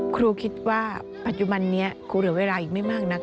ครูคิดว่าปัจจุบันนี้ครูเหลือเวลาอีกไม่มากนัก